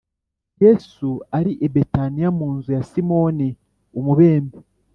Yesu ari i Betaniya mu nzu ya Simoni umubembe